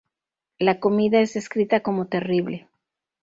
La comida es descrita como terrible.